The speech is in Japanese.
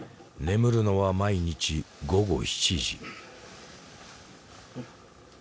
眠るのは毎日午後７時。